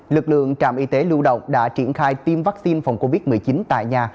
lực lượng trạm y tế lưu động đã triển khai tiêm vaccine phòng covid một mươi chín tại nhà